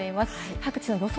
各地の予想